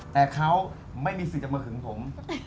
แต่เขาไม่มีสิทธิ์จะมาหึงผม